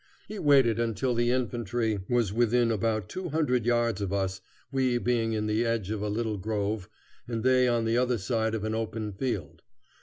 He waited until the infantry was within about two hundred yards of us, we being in the edge of a little grove, and they on the other side of an open field.